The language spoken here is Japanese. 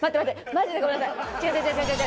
マジでごめんなさい。